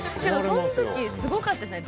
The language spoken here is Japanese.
その時すごかったですね。